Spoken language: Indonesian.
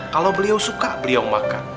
kalau beliau suka beliau makan